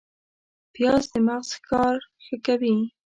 پیاز د مغز کار ښه کوي